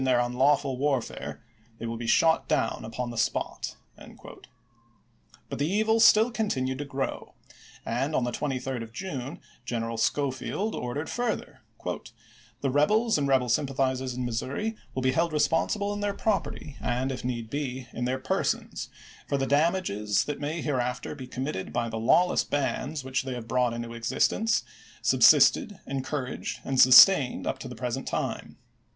ill their unlawful warfare, they will be shot down ^"p.fo2!^" upon the spot." But the evil still continued to gi'ow ; and, on the 23d of June, General Schofield ordered further :" The rebels and rebel sym pathizers in Missouri will be held responsible in their property, and if need be, in theii' persons, for the damages that may hereafter be committed by the lawless bands which they have brought into existence, subsisted, encouraged, and sustained up to the present time.